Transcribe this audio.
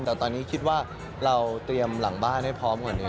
แต่ตอนนี้คิดว่าเราเตรียมหลังบ้านให้พร้อมกว่านี้